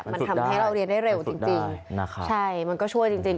มันทำให้เราเรียนได้เร็วจริงใช่มันก็ชั่วจริง